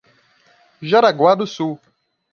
Jaraguá do Sul